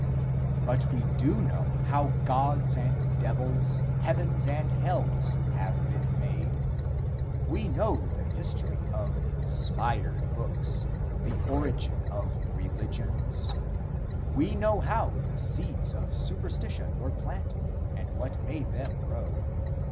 But we do know how gods and devils, heavens and hells, have been made. We know the history of inspired books the origin of religions. We know how the seeds of superstition were planted and what made them grow.